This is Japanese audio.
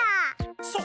そう。